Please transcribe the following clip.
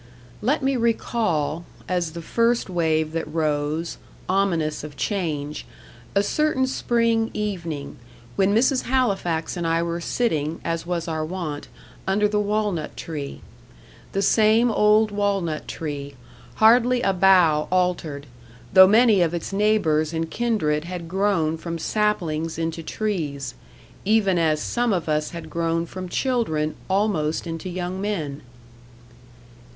Let me recall as the first wave that rose, ominous of change a certain spring evening, when Mrs. Halifax and I were sitting, as was our wont, under the walnut tree. The same old walnut tree, hardly a bough altered, though many of its neighbours and kindred had grown from saplings into trees even as some of us had grown from children almost into young men.